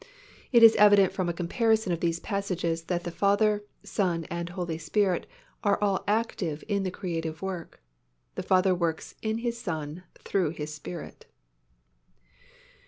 It is evident from a comparison of these passages that the Father, Son and Holy Spirit are all active in the creative work. The Father works in His Son, through His Spirit.